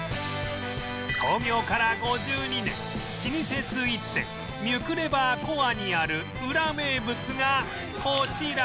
創業から５２年老舗スイーツ店ミュクレバーコアにあるウラ名物がこちら